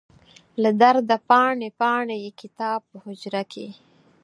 له درده پاڼې، پاڼې یې کتاب په حجره کې